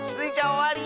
おわり！